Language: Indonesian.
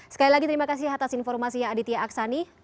sekali lagi terima kasih atas informasi ya aditya aksani